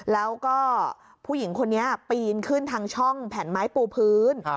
แล้วก็ผู้หญิงคนนี้ปีนขึ้นทางช่องแผ่นไม้ปูพื้น